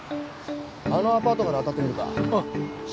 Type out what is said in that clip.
あのアパートから当たってみるか。